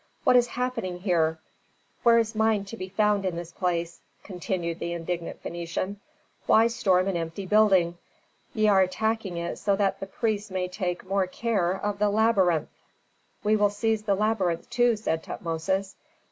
What is happening here? Where is mind to be found in this place?" continued the indignant Phœnician. "Why storm an empty building? Ye are attacking it so that the priests may take more care of the labyrinth!" "We will seize the labyrinth, too," said Tutmosis.